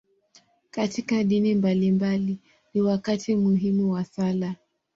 Katika dini mbalimbali, ni wakati muhimu wa sala.